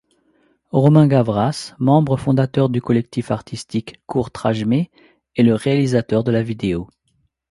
Romain Gavras, membre fondateur du collectif artistique Kourtrajmé, est le réalisateur de la vidéo.